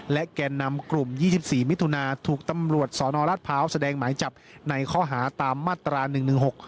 และแก่นำกลุ่มยี่สิบสี่มิถุนาถูกตำรวจสอนอรัฐพร้าวแสดงหมายจับในข้อหาตามมาตราหนึ่งหนึ่งหก